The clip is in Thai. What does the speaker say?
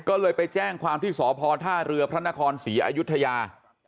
ก็เลยไปแจ้งความที่สพท่าเรือพระนครศรีอายุทยา